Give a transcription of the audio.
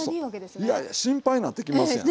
いやいや心配になってきますやん。